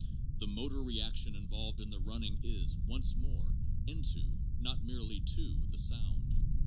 The motor reaction involved in the running is, once more, into, not merely to, the sound.